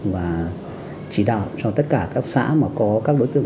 và chỉ đạo cho tất cả các xã mà có các đối tượng